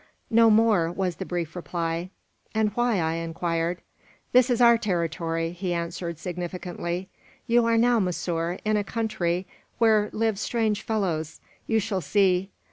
"No more," was the brief reply. "And why?" I inquired. "This is our territory," he answered, significantly. "You are now, monsieur, in a country where live strange fellows; you shall see.